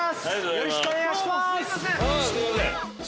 よろしくお願いします！